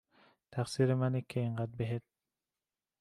تقصیر منه که اِنقد بهت